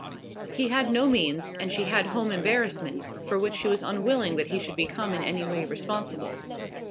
He had no means, and she had home embarrassments, for which she was unwilling that he should become in any way responsible.